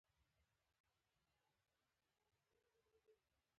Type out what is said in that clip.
ما دا لیکل د زړه تشولو لپاره کړي دي